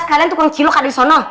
pas kalian tukang cilok ada di sana